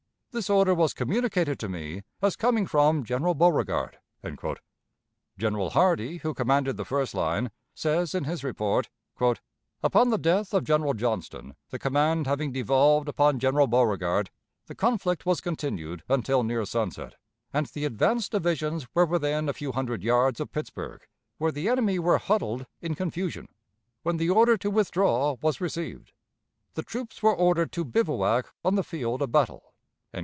This order was communicated to me as coming from General Beauregard." General Hardee, who commanded the first line, says in his report: "Upon the death of General Johnston, the command having devolved upon General Beauregard, the conflict was continued until near sunset, and the advance divisions were within a few hundred yards of Pittsburg, where the enemy were huddled in confusion, when the order to withdraw was received. The troops were ordered to bivouac on the field of battle."